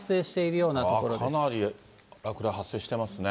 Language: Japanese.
かなり落雷発生してますね。